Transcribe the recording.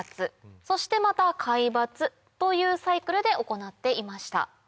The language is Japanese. そしてまた皆伐というサイクルで行っていました。